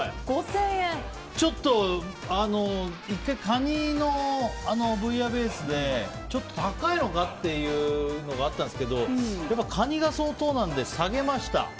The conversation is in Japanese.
１回、カニのブイヤベースでちょっと高いのかっていうのがあったんですけどやっぱカニが相当なので下げました。